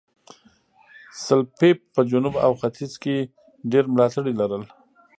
سلپيپ په جنوب او ختیځ کې ډېر ملاتړي لرل.